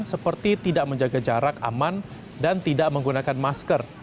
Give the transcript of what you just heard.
seperti tidak menjaga jarak aman dan tidak menggunakan masker